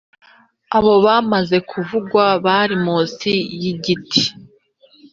Abo bamaze kuvugwa bari munsi yi giti